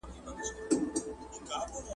دا سينه سپينه له هغه پاکه ده،